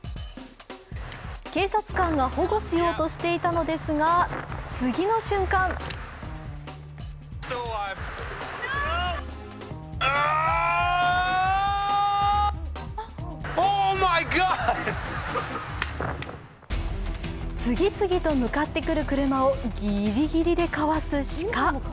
警察官が保護しようとしていたのですが、次の瞬間次々と向かってくる車をぎりぎりでかわす鹿。